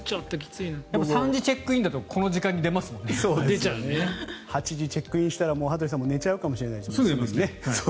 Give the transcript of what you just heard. でも３時チェックインだと８時にチェックインしたら羽鳥さん寝ちゃうかもしれないですね。